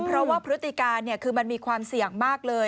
เพราะว่าพฤติการคือมันมีความเสี่ยงมากเลย